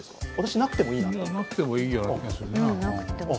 なくてもいいような気がするな。